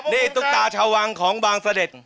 นี่ตุ๊กตาชาววังของบางเสด็จ